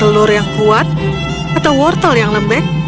telur yang kuat atau wortel yang lembek